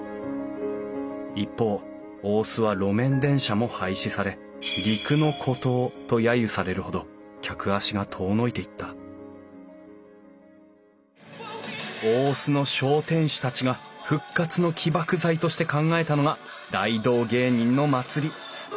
一方大須は路面電車も廃止され陸の孤島とやゆされるほど客足が遠のいていった大須の商店主たちが復活の起爆剤として考えたのが大道芸人の祭り。